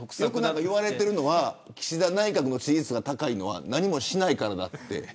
よく言われているのは岸田内閣の支持率が高いのは何もしないからだって。